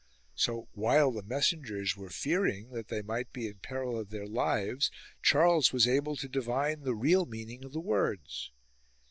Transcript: So while the messengers were fearing that they might be in peril of their lives, Charles was able to divine the real meaning of the words.